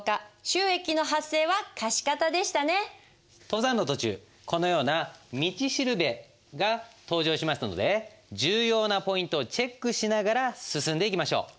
登山の途中このような道しるべが登場しますので重要なポイントをチェックしながら進んでいきましょう。